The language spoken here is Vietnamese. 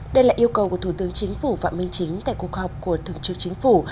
đây là yêu cầu của thủ tướng chính phủ phạm minh chính tại cuộc họp của thượng trưởng chính phủ